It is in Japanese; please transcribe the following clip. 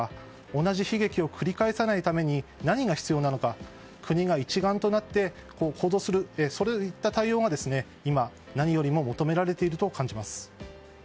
同じ悲劇を繰り返さないために何が必要なのか国が一丸となって行動するそういった対応が今、何よりも求められていると感じます。